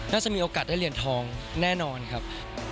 น่าจะมีโอกาสได้เหรียญทองแน่นอนครับ